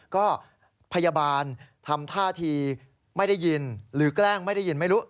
ก็พยาบาลทำท่าทีไม่ได้ยินหรือแกล้งไม่ได้ยินไม่รู้